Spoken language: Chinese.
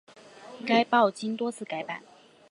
该报经多次改版。